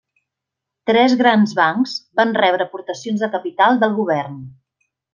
Tres grans bancs van rebre aportacions de capital del govern.